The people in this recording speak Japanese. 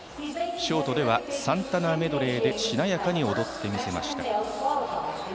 ショートでは「サンタナメドレー」でしなやかに踊ってみせました。